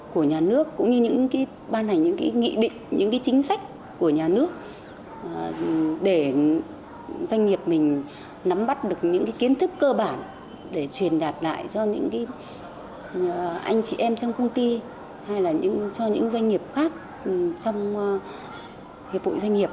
của nhà nước cũng như những cái ban hành những cái nghị định những cái chính sách của nhà nước để doanh nghiệp mình nắm bắt được những kiến thức cơ bản để truyền đạt lại cho những anh chị em trong công ty hay là cho những doanh nghiệp khác trong hiệp hội doanh nghiệp